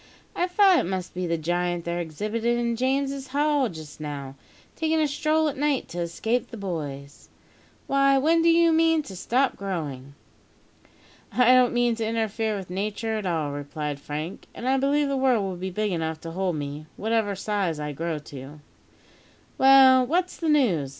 "I thought it must be the giant they're exhibitin' in Saint James's Hall just now, takin' a stroll at night to escape the boys. Why, when do you mean to stop growing?" "I don't mean to interfere with Nature at all," replied Frank; "and I believe the world will be big enough to hold me, whatever size I grow to." "Well, what's the news?"